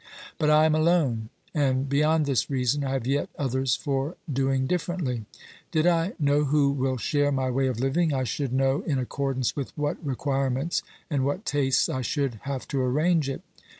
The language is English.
But I am alone, and beyond this reason I have yet others for doing differently. Did I know who will share my way of living, I should know in accordance with what requirements and what tastes I should have to arrange it.